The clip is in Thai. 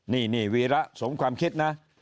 นี่นี่วีล่าสมความคิดนะ